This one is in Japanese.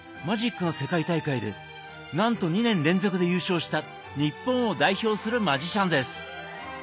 マジックの世界大会でなんと２年連続で優勝した日本を代表するマジシャンです。